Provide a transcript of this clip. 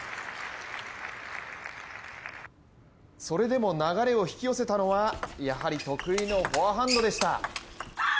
それでも流れを引き寄せたのはやはり得意のフォアハンドでした。